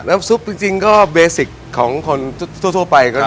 น้ำซุปจริงก็เบสิกของคนทั่วไป